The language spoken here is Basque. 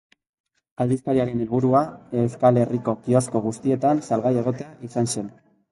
Aldizkariaren helburua Euskal Herriko kiosko guztietan salgai egotea izan zen.